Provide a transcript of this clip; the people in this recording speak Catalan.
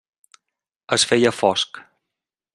Es feia fosc.